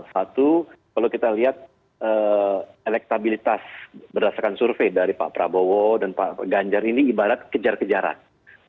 satu kalau kita lihat elektabilitas berdasarkan survei dari pak prabowo dan pak ganjar ini ibarat kejar kejaran